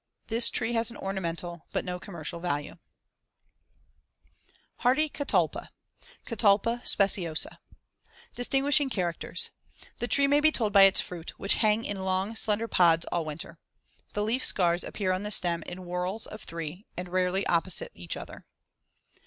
This tree has an ornamental, but no commercial value. [Illustration: FIG. 83. Bark of the Honey Locust.] HARDY CATALPA (Catalpa speciosa) Distinguishing characters: The tree may be told by its *fruit*, which hang in long slender pods all winter. The leaf scars appear on the stem in whorls of three and rarely opposite each other.